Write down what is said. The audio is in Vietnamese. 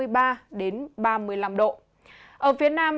ở phía nam gió mùa tây nam